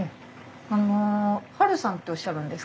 あのハルさんっておっしゃるんですか？